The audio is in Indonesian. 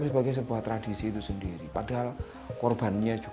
saya tetap berdoa